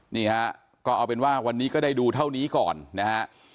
นี่ฮะก็เอาเป็นว่าวันนี้ก็ได้ดูเท่านี้ก่อนนะฮะ